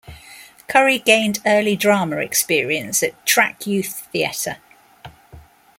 Curry gained early drama experience at Track Youth Theatre.